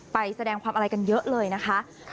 ไปแสดงความอะไรกันเยอะเลยนะคะ